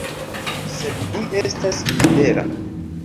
Sed vi estas libera.